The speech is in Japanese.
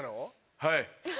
はい。